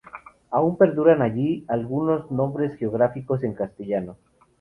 Aún perduran allí algunos nombres geográficos en castellano.